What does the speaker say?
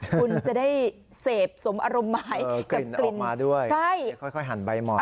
คุณจะได้เสพสมอารมณ์หมายกลิ่นมาด้วยค่อยหั่นใบหมอน